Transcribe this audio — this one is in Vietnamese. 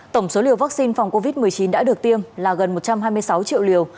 tổng số liều vaccine phòng covid một mươi chín đã được tiêm là gần một trăm hai mươi sáu triệu liều